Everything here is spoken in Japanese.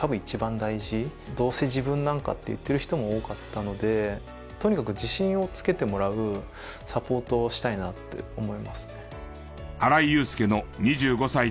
どうせ自分なんかって言ってる人も多かったのでとにかく自信をつけてもらうサポートをしたいなって思いますね。